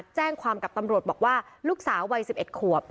แจ้งความกับตำรวจบอกว่าลูกสาววัย๑๑ขวบ